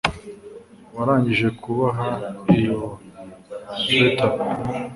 Warangije kuboha iyo swater?